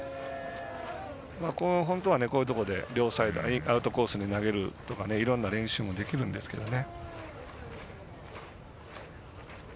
本当はこういうところで両サイドでアウトコースにいろんな練習もできるんですけどね。